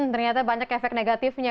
ternyata banyak efek negatifnya